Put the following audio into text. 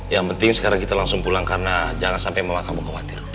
yang penting sekarang kita langsung pulang karena jangan sampai mama kamu khawatir